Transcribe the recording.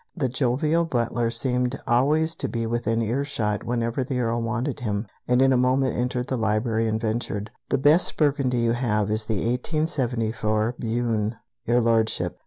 The jovial butler seemed always to be within earshot whenever the Earl wanted him, and in a moment entered the library and ventured: "The best Burgundy you have is the 1874 Beaune, Your Lordship.